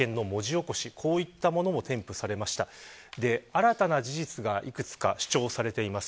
新たな事実がいくつか主張されています。